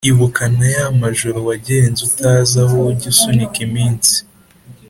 ibuka na ya majoro wagenze utazi aho ujya usunika iminsi